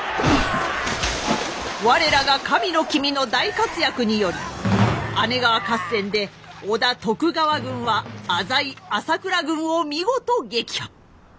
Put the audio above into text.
我らが神の君の大活躍により姉川合戦で織田徳川軍は浅井朝倉軍を見事撃破。